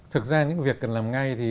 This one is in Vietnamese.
thực ra những việc cần làm ngay